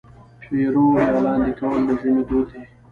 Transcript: پېروی یا لاندی کول د ژمي دود دی.